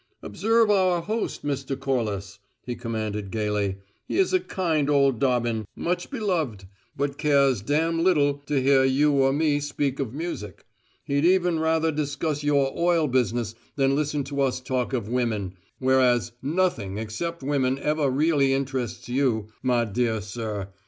"Observe our host, Mr. Corliss," he commanded gayly. "He is a kind old Dobbin, much beloved, but cares damn little to hear you or me speak of music. He'd even rather discuss your oil business than listen to us talk of women, whereas nothing except women ever really interests you, my dear sir.